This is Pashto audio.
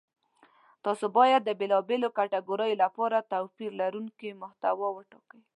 تاسو باید د بېلابېلو کتګوریو لپاره توپیر لرونکې محتوا وټاکئ.